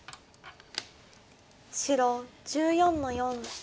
白１４の四ツギ。